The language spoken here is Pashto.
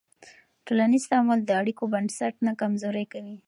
ټولنیز تعامل د اړیکو بنسټ نه کمزوری کوي.